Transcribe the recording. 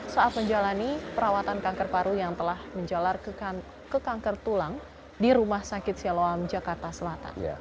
saat menjalani perawatan kanker paru yang telah menjalar ke kanker tulang di rumah sakit siloam jakarta selatan